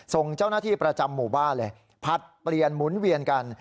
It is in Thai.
ส่งเจ้าหน้าที่ประจำหมู่บ้านเลยผลัดเปลี่ยนหมุนเวียนกัน